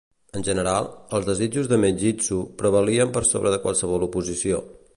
En general, els desitjos de Mengistu prevalien per sobre de qualsevol oposició.